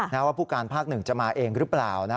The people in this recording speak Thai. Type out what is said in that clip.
ว่าผู้การภาคหนึ่งจะมาเองหรือเปล่านะ